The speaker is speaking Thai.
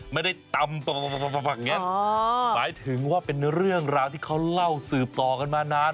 ไม่ได้ตำหมายถึงว่าเป็นเรื่องราวที่เขาเล่าสืบต่อกันมานาน